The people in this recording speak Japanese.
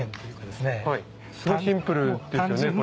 すごいシンプルですよね。